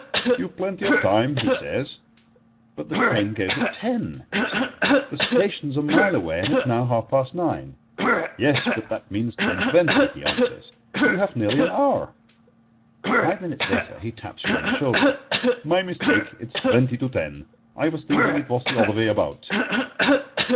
"You've plenty of time," he says "But the train goes at ten," you say; "the station is a mile away, and it is now half past nine." "Yes, but that means ten twenty," he answers, "you have nearly an hour." Five minutes later he taps you on the shoulder. "My mistake, it's twenty to ten. I was thinking it was the other way about."